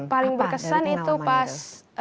paling berkesan itu pas